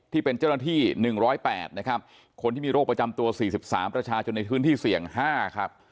ที่เป็นเจ้าหน้าที่๑๐๘นะครับคนที่มีโรคประจำตัว๔๓ประชาชนในพื้นที่เสี่ยง๕ครับ